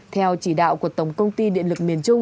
theo chỉ đạo của tổng công ty điện lực mỹ